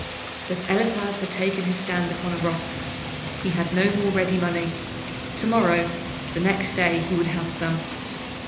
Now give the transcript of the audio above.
But Eliphaz had taken his stand upon a rock he had no more ready money. To morrow, the next day, he would have some.